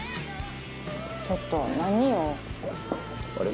ちょっと何よ？